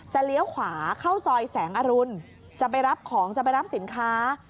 เลี้ยวขวาเข้าซอยแสงอรุณจะไปรับของจะไปรับสินค้า